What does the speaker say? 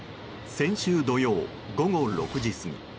先週土曜、午後６時過ぎ。